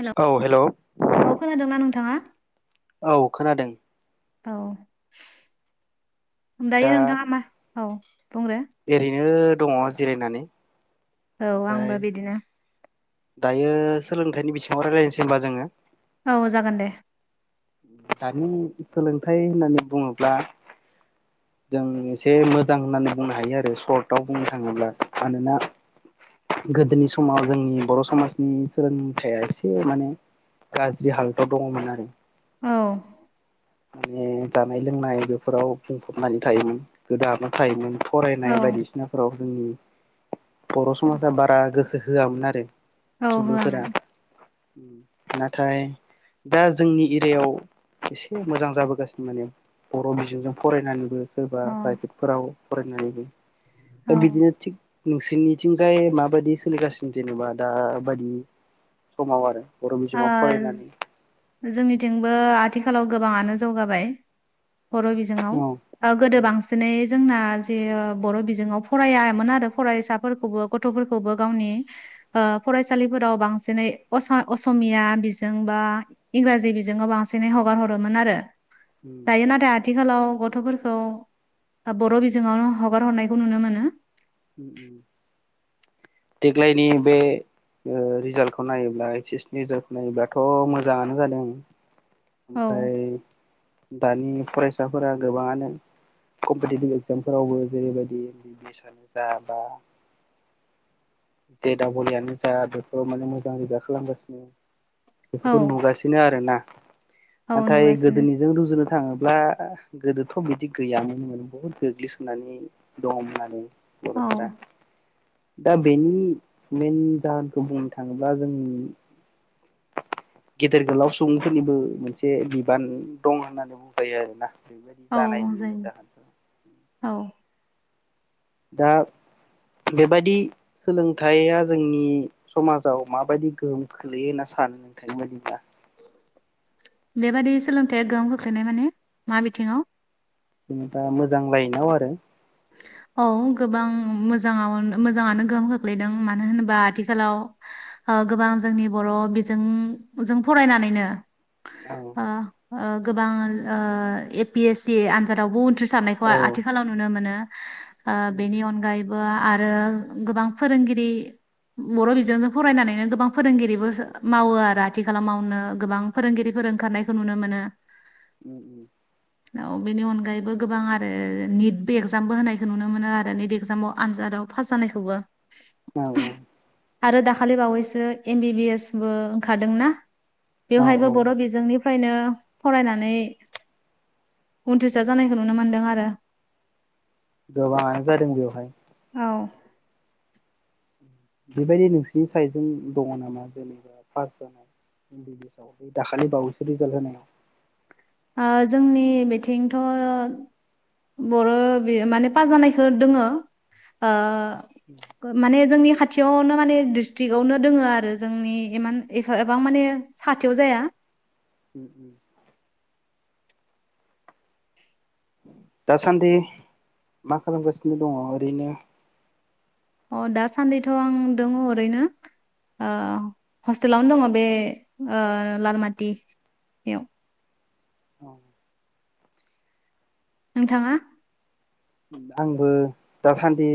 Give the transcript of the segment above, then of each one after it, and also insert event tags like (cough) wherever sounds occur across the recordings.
हेल'! औ हेलौ औ खोनादोंना नोंथाङा? औ खोनादों। औ। होम दायो दा नोंथाङा मा औ बुंंग्रो। ओरैनो दङ जिरायनानै। औ ओमफ्राय आंबो बिदिनो। दायो सोलोंथाइनि बिथिङाव रायज्लायनोसै होनबा जोङो? औ जागोन दे। दानि सोलोंथाइ होननानै बुङोब्ला जों एसे मोजां होननानै बुंनो हायो आरो सर्टआव बुंनो थाङोब्ला मानोना गोदोनि समाव जोंनि बर' समाजनि सोलोंथाइया एसे माने गाज्रि हालोदाव दङमोन आरो औ। माने जानाय लोंनाय बेफोराव बुंफबनानै थायोमोन गोदो हाबना थायोमोन। औ फरायनाय बायदिसिनाफोराव उम, बर' समाजा बारा गोसो होआमोन आरो। औ होआमोन। ओम नाथाय दा जोंनि इरियायाव एसे मोजां जाबोगासिनो माने बर' बिजोंजों फरायनानैबो सोरबा औ फ्रायबेटफोराव फरायनानैबो ओ औ बिदिनो थिग नोंसिनिथिंजाय माबायदि सोलिगासिनो जेनेबा दा बादि समाव आरो। बर' ओ बिजोंआव फरायनानै जोंनिथिंबो आथिखालाव गोबाङानो जौगाबाय। बर' बिजोङाव औ ओ गोदो बांसिनै जोंना जे बर बिजोङाव फरायामोन आरो फरायसाफोरखौबो गथफोरखौबो गावनि ओ फरायसालिफोराव बांसिनै अस असमिया बिजों बा इंराजि बिजोङो बांसिनै हगार हरोमोन आरो। दायो नाथाय आ थिखालाव गथफोरखौ हा बर बिजोङावनो हगार हरनायखौ नुनो मोनो। देग्लायनि बे ओ रिजाल्टखौ नायोब्ला ओइस एस नि रिजालखौ नायोब्लाथ मोजाङानो जादों। औ ओमफ्राय दानि। फरायसाफोरा गोबाङानो कम्पिटिभनि एगजामफोरावबो जेरैबायदि एम बि बि एस आनो जा बा। जे दाबल इ यानो जा बेफोराव माने मोजां रिजालट खालामगासिनो। औ बेफोखौ नुगासिनो आरोना। औ नाथाय नुगासिनो गोदोनिजों रुजुनो थाङोब्ला गोदोथ बिदि गैयामोन्नो बहुद गोग्लैसोनानै दङमोन आरो। बर औ फोरा। दा ब बेनि मेन जाहोनखौ बुंनो थाङोब्ला जोंनि गेदेर गोलाव सुबुंफोरनिबो मोनसे बिबान दं होननानै बुंजायो आरो ना। औ बुंजायो औ। दा बेबादि सोलोंथाइया जोंनि समाजाव माबायदि गोहोम खोलैयो होन्ना सानो नोंथांनि बादिब्ला? बेबादि सोलोंथाया गोहोम गोख्लैनाय माने मा बिथिङाव? जेनेबा मोजां लायनाव आरो। औ गोबां मोजाङाव मोजाङानो गोहोम खोख्लैदों मानो होनोबा आथिखालाव ओ गोबां जोंनि बर' बिजोंजों फरायनानैनो। औ ओ ओ गोबां ओ ए पि एस सि ए आनजादावबो उ उथ्रिसारनायखौ आ-आथिखालाव नुनो मोनो। (inaudible) ओ बेनि अनगाय बो आरो गोबां फोरोंगिरि बर बिजोंजों फरायनानैनो गोबां फोरोंगिरिबो मावो आरो आथिखालाव मावनो गोबां फोरोंगिरिफोर ओंखारनायखौ नुनो मोनो उम उम औ बेनि अनगायैबो गोबां आरो निट बेगस एगजामबो होनायखौ नुनो मोनो आरो निट एगजामाव आनजादाव पास जानायखौबो औ औ आरो दाखालि बावैसो एम बि बि एसबो ओंखारदोंना? औ बेवहायबो औ बर बिजोंनि फ्रायनो फरायनानै उन्थ्रिसार जानायखौ नुनो मोनदों आरो गोबांआनो जादों बेवहाय औ बेबायदि नोंसिनि साइडजों दङ नामा जेनेबा पास जानाय एम बि बि एस आव बे दाखालि बावैसो रिजाल्ट होनायाव? जोंनि बिथिंथ बर माने पाजानाय खो दोङो ओ माने जोंनि खाथियावनो माने डिस्ट्रिकआवनो दोङो आरो जोंनि इमान ए एबां माने साथियाव जाया उम उम दासान्दि मा खालामगासिनो दङ ओरैनो अ दासान्दिथ' आं दङ ओरैनो हस्टेलावनो दङ बे लालमाथियाव औ नोंथाङा आंबो दासान्दि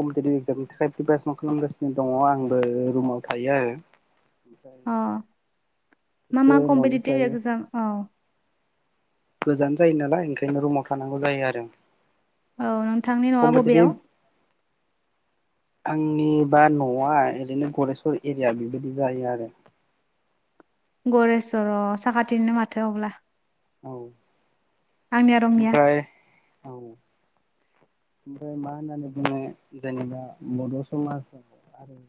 कम्पिटिटिभ एगजामनि थाखाय प्रिपेरेसन खालामगासिनो दङ आंबो रुमाव थायो आरो ओमफ्राय अ मा एसे मा कम्पिटिटिभ न'निफ्राय एक्जाम औ गोजान जायो नालाय ओंखायनो रुमाव थानांगौ जायो आरो औ नोंथांनि न'आ बबेयाव कम्पिटिटिभ आंनि बा न'आ ओरैनो गरेस्वर एरिया बेबायदि जायो आरो गरेस्वर' साखाथिनो माथो अब्ला औ आंनिया रङिया ओमफ्राय ओमफ्राय मा होननानै बुङो जेनेबा बर' समाजाव आरो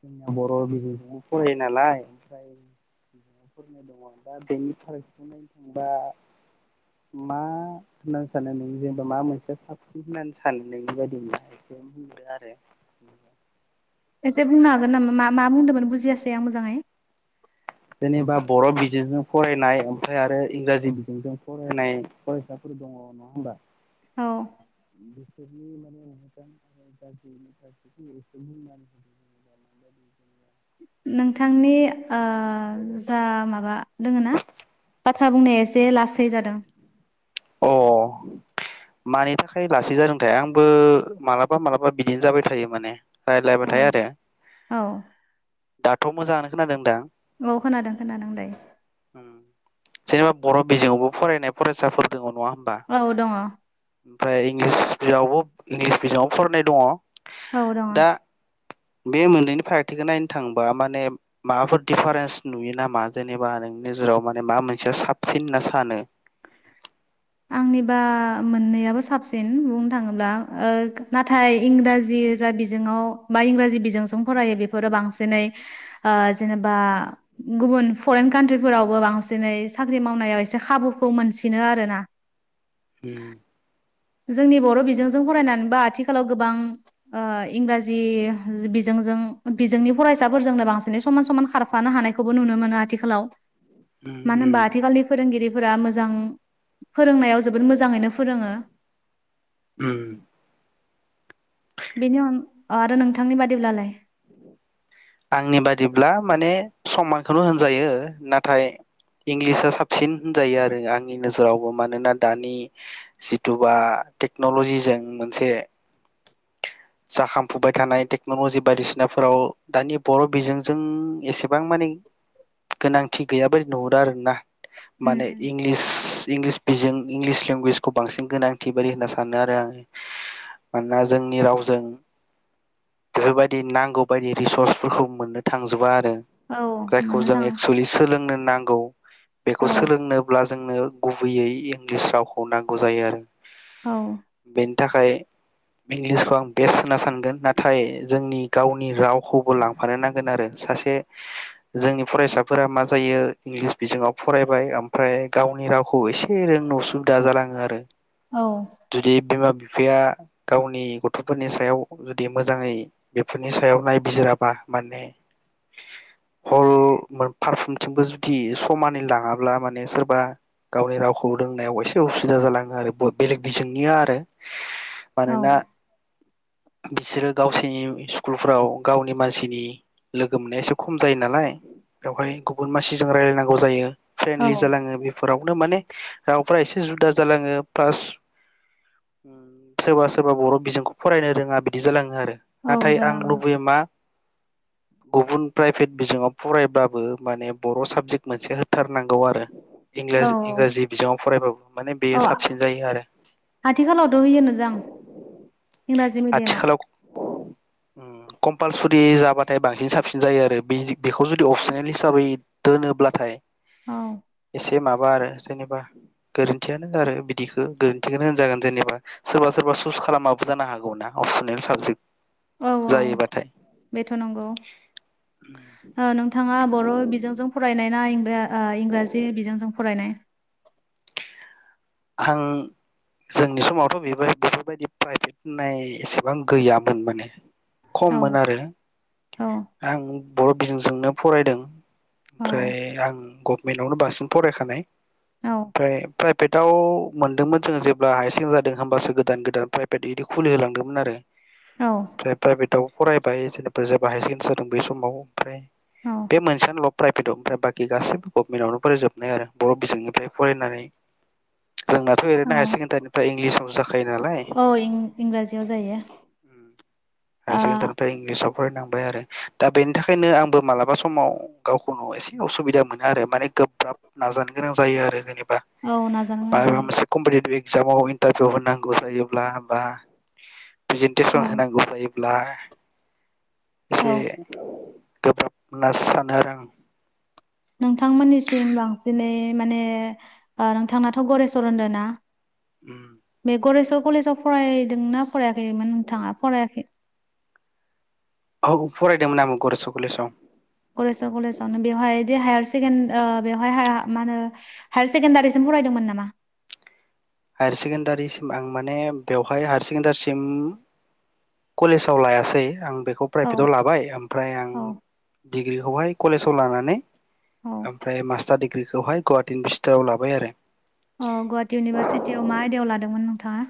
जोंना बर' बिजोंजोंबो फरायो नालाय ओमफ्राय बि फरायनाय दङ दा बेनि फारखौ नायनो थांबा मा होननानै सानो नों जेनेबा मा मोनसे साबसि होननानै सानो नोंनि बायदिा एसे होनो आरो एसे बुंनो हागोन नामा मा मा बुंदोंमोन बुजियासै आं मोजाङै जेनेबा बर' बिजोंजों फरायनाय ओमफ्राय आरो इंराजि बिजोंजों फरायनाय फरायसाफोर दङ नङा होमबा औ (unintelligible) नोंथांनि ओ जा माबा दोङ ना बाथ्रा बुंनाया एसे लासै जादों अ मानि थाखाय लासै जादोंथाय आंबो मालाबा मालाबा बिदिनो जाबाय थायो माने औ रायज्लायबाथाय आरो औ दाथ' मोजाङानो खोनादों दां औ खोनादों खोनादों दायो जेनेबा बर' बिजोवावबो फरायनाय फरायसाफोर दङ नङा औ दङ ओमफ्राय इंलिसावबो इंलिस आवबो फरायनाय दङ औ दं दा बे मोननैनि फारागथिखौ नायनो थांबा माने माबाफोर दिडिफारेन्स नुयो नामा जेनेबा नोंनि नोजोराव माने मा मोनसेया साबसिन होनना सानो आंनिबा मोननैयाबो साबसिन बुंनो थाङोब्ला नाथाय इंराजि जा बिजोङाव बा इंराजि बिजोंजों फरायो बेफोरो बांसिनै जेनेबा गुबुन फरेन कान्ट्रिफोरावबो बांसिनै साख्रि मावनायाव एसे खाबुखौ मोनसिनो आरोना उम जोंनि बर' जोंनि बर' बिजोंजों फरायनानैबो आथिखालाव आथिखालाव गोबां इंराजि बिजोंजों बिजोंनि फरायसाफोरजोंनो बांसिनै समान समान खारफानो हानायखौबो नुनो मोनो आथिखालाव उम मानो उम होनबा आथिखालनि फोरोंगिरि फोरा मोजां फोरोंनायाव जोबोद मोज जाङैनो फोरोङो। उम। बेनि अन आरो नोंथांनि बादिब्लालाय आंनि बादिब्ला माने समानखौनो होनजायो नाथाय इंलिसा साबसिन होनजायो आरो आंनि नोजोरावबो मानोना दानि जिथुबा टेक्न'लजिजों मोनसे जाखांफुबाय थानाय टेक्न'लजि बायदिसिनाफोराव दानि बर' बिजोंजों एसेबां मानि गोनांथि गैयाबो नुहुरो आरोना। उम माने उम इंलिस इंलिसबिजों इंलिस लेंगुवेजखौ बांसिन गोनांथि बायदि होनना सानो आरो आङो मानोना जोंनि राव जों बेफोरबायदि नांगौ बायदि रिसर्सफोरखौ मोननो थांजोबा आरो। औ जायखौ मोननो जों थाङा एक्स'लि सोलोंनो नांगौ बेखौ औ सोलोंनोब्ला जोंनो गुबैयै इंलिस रावखौ नांगौ जायो आरो। औ। बेनि थाखाय इंलिसखौ आं बेस्ट होनना सानगोन नाथाय जोंनि गावनि रावखौबो लांफानो नांगोन आरो सासे जोंनि फरायसाफोरा मा जायो इंलिस बिजोङाव फरायबाय ओमफ्राय गावनि रावखौ एसे ए रोंनो असुबिदा जालाङो आरो औ जुदि बिमा बिफाया गावनि गथ' थ'फोरनि सायाव जुदि मोजाङै बेफोरनि सायाव नायबिजिराबा माने हल पारफ्रोमथिंबो जुदि समानै लाङाब्ला माने सोरबा गावनि रावखौ रोंनायाव एसे उसुबिदा जालाङो आरो बेलेग बिजोंनिया आरो। औ मानोना बिसोरो गावसोरनि स्कुलफ्राव गावनि मानसिनि लोगो मोननाया एसे खम जायो नालाय बेवहाय गुबुन मासिजों रायलायनांगौ जायो। औ फ्रेन्डलि जालाङो बेफोरावनो माने रावफ्रा एसे जुदा जालाङो पास सोरबा सोरबा बर' बिजोंखौ फरायनो रोङा बिदि जालाङो आरो। औ नाथाय आं जालाङो लुबैयो मा गुबुन प्राइभेट बिजोङाव फरायब्लाबो माने बर' साबजेक्ट मोनसे होथारनांगौ आरो। औ इंराज इंराजि बिजोङाव फरायबाबो माने औ बेयो साबसिन जायो आरो। आथिखालावथ' होयोनोदां इंराजि मिडियामाव आथिखालाव उम कमपालसरि फ्रि जाबाथाय बांसिन साबसिन जायो आरो बि बेखौ जुदि अपसनेल हिसाबै दोनोब्लाथाय औ। माबा आरो जेनेबा गोरोन्थियानो आरो बिदिखो गोरोन्थिखौनो होनजागोन जेनेबा सोरबा सोरबा सुस खालामाबो जानो हा गौना अपसनेल साबजेक्ट औ औ जायोबाथाय बेथ' नंगौ ओह नोंथाङा बर' बिजोंजों फरायनाय ना इं रा ओ इंराजि बिजोंजों फरायनाय। आं जोंनि समावथ' बेबाय बेफोरबायदि प्राइभेट होननाय एसेबां गैयामोन माने औ खममोन आरो औ आं बर' बिजोंजोंनो फरायदों औ ओमफ्राय आं गभमेन्टावनो बांसिन फरायखानाय। औ ओमफ्राय प्राइभेट याव मोनदोंमोन जोङो जेब्ला हायार सेकेन्डारि जादों होमबासो गोदान गोदान प्राइभेट बिदि खुलिहोलांदोंमोन आरो। औ (unintelligible) प्राइभेट (unintelligible) बेै समाव ओमफ्राय औ बे मोनसेनोल' प्राइभेटआव ओमफ्राय बाखि गासैबो गभमेन्टावनो फरायजोबनाय आरो बर' बिजोंनिफ्राय फरायनानै। जोंनाथ' ओरैनो हायार औ सेकेण्डारिनिफ्राय इंलिसाव जाखायो नालाय औ इंराजियाव जायो ओ हायार सेकेण्डारिनिफ्राय इंलिसाव फरायनांबाय आरो दा बेनि थाखायनो आंबो मालाबा समाव गावखौनो एसे असुबिदा मोनो आरो माने गोब्राब नाजानो गोनां जायो आरो जेनेबा औ नाज (unintelligible) जामाव इन्टारभिउ होनांगौ जायोब्ला बा प्रेजेन्टेसन औ होनांगौ जायोब्ला औ एसे गोब्राब होनासानो आरो आं नोंथांमोननिसिम बांसिनै माने ओह नोंथांनाथ' गरेसर होनदोंना? उम गरेस्वर कलेजाव फरायदोंना फरायाखैमोन नोंथाङा फरायाखै? आं फरायदोंमोन आंबो गरेस्वर कलेजाव। कलेजाव कलेजावनो बेवहायदि हायार सेकेन्दआव ओ बेवहाय हाया मा होनो हायार सेकेण्डारिसिम फरायदोंमोन नामा? हायार सेकेण्डारिसिम आं माने बेवहाय हायार सेकेण्डारिसिम कलेज आव लायासै आं बेखौ औ प्राइभेटाव लाबाय ओमफ्राय आं औ डिग्रिखौहाय कलेजाव लानानै औ ओमफ्राय मास्टार दि बेखौहाय गौहाटि (unintelligible) लाबाय आरो। अ गुवाहाटि इउनिभारसिटियाव मा आयदायाव लादोंमोन नोंथाङा?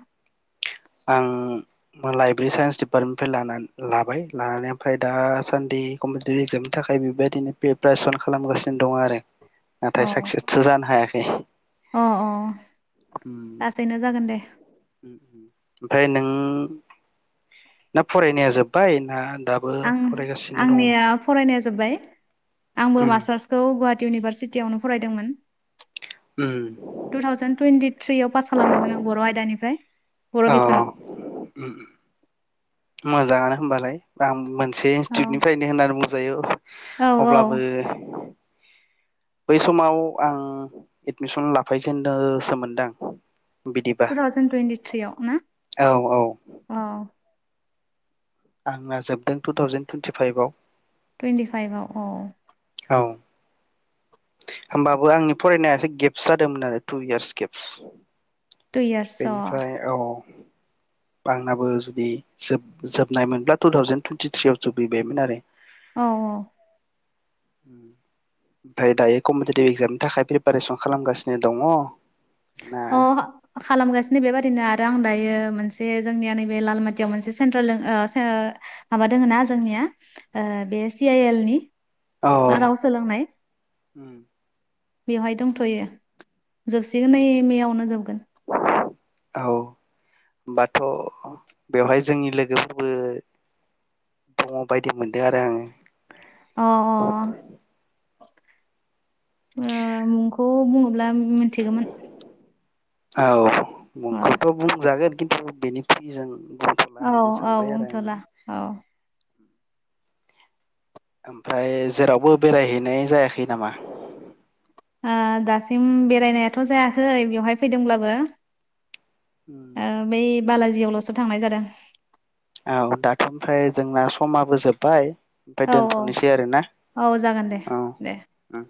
आं लाइब्रेरि साइन्स डिपार्टमेन्टनिफ्रायनानै लाना लाबाय लानानै ओमफ्राय दासान्दि कम्पिटिटिभ एगजामनि थाखाय बेबायदिनो प्रिपारेसन खालामगासिनो दं आरो। नाथाय औ साक्सेसथ' जानो हायाखै। अ लासैनो जागोन दे ओमफ्राय नों ना फरायनाया जोब्बाय ना दाबो आं फरायगासिनो दङ आंनिया फरायनाया जोबबाय। आंबो मास्टारसखौ गुवाहा टि इउनिभारसिटियावनो फरायदोंमोन। टु थावजेन टुइन्टि थ्रियाव पास खालामदोंमोन आं बर' आयदानिफ्राय। बर' बिफानाव अ उम उम मोजाङानो होनोमबालाय आं मोन से औ इन्स्टिउटनिफ्रायनो होननानै बुं जायो। औ (inaudible) औ अब्लाबो बै समाव आं एदमिसन लाफैजेननोसो मोनदां। फोराव जों टुन्टि थ्रि आव नो औ औ औ आंना जोबदों टु थावजेन टुइेन्टिफाइभआव। टुइन्टि फाइभव औ औ होमबाबो आंनि फरायनाया एसे गेप्स जादोंमोन आरो two years gaps. Two years अ बेनिफ्राय औ आंनाबो जुदि जोब जोबनायमोनब्ला टु थावजेेन टुइन्टिथ्रिव जोबहैबायमोन आरो। औ औ ओमफ्राय दायो कम्पिटिटिभ एक्जामनि थाखाय प्रिपेरेसन खालामगासिनो दङ। ना अ खालामगासिनो बेबादिनो आरो आं दायो मोनसे जोंनिया नैबे लालमाथियाव मोनसे सेन्ट्रेल दों ओ सो माबा दोङो ना जोंनिया बे सि आइ एल नि। औ दा राव सोलोंनाय। बेवहाय दंथ'यो जास्ट नै मेआवनो जोबगोन। औ होमबाथ' बेवहाय जोंनि लोगोफोरबो दङ बायदि मोनदों आरो आङो। अ अ मुंखौ बुङोब्ला उम मोनथिगौमोन। औ। मुंखौथ बुंजागोन खिन (unintelligible) बेनि फिनजों औ औ बुंथ'ला औ। आमफाय जेरावबो बेरायहैनाय जायाखै नामा? ओ दासिम बेरायनायाथ' जायाखै बेवहाय फैदोंब्लाबो। उम ओ बै बालाजियावल'सो थांनाय जादों। औ दाथ' ओमफ्राय जोंना समाबो जोब्बाय ओमफ्राय औ दोनथ'नोसै आरोना औ औ जागोन दे औ दे उम